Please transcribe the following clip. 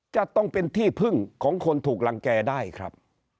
จะต้องเป็นที่พึ่งของคนถูกรังแก่ได้ครับ